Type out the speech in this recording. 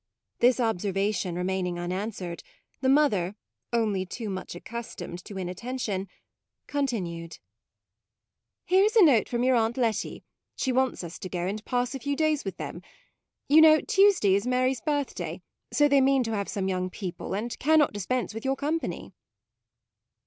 This observation remaining unanswered, the mother, only too much accustomed to inattention, con 7 8 MAUDE tinued: " Here is a note from your Aunt Letty; she wants us to go and pass a few days with them. You know, Tuesday is Mary's birthday, so they mean to have some young people, and cannot dispense with your company."